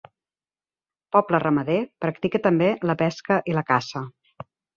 Poble ramader, practica també la pesca i la caça.